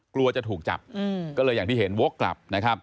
กลัวจะถูกจับก็เลยอย่างที่เห็นโว๊คกลับ